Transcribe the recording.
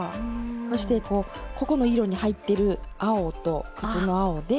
そしてここの色に入ってる青と靴の青で。